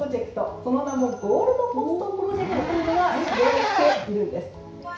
その名もゴールドポストプロジェクトというのが始動しているんです。